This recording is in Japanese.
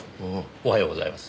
おはようございます。